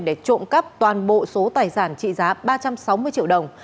để trộm cắp toàn bộ số tài sản trị giá ba trăm sáu mươi triệu đồng